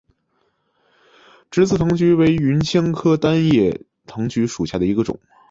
直刺藤橘为芸香科单叶藤橘属下的一个种。